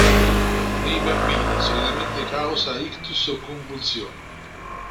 Nei bambini solitamente causa ictus o convulsioni.